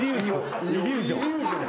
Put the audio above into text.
イリュージョン。